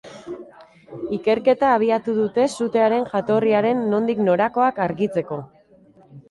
Ikerketa abiatu dute sutearen jatorriaren nondik norakoak argitzeko.